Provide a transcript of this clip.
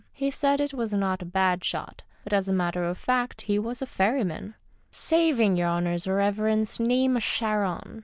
He said it was not a bad shot, but, as a matter of fact, he was a ferryman, " saving your honour's reverence, name o' Charon."